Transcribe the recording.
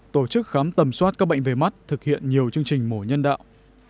tổ chức khám tầm soát các bệnh về mắt thực hiện nhiều chương trình mổ nhân đạo